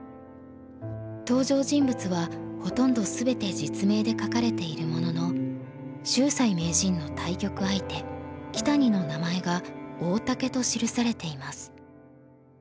登場人物はほとんど全て実名で書かれているものの秀哉名人の対局相手木谷の名前が「大竹」と記されています。